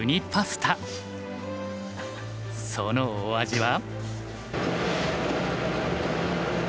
そのお味は？